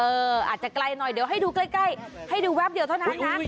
อาจจะไกลหน่อยเดี๋ยวให้ดูใกล้ให้ดูแป๊บเดียวเท่านั้นนะ